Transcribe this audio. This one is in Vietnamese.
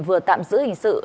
vừa tạm giữ hình sự